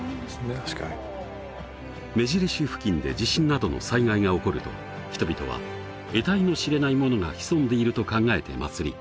確かに目印付近で地震などの災害が起こると人々はえたいの知れないものが潜んでいると考えて祭り